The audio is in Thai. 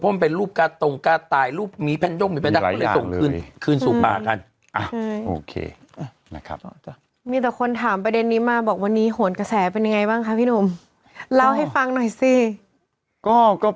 เมื่อวานคนตามดูกันตลอดทั้งวันเลยอะคะ